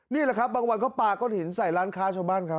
นี่แหละครับบางวันก็ปลาก้อนหินใส่ร้านค้าชาวบ้านเขา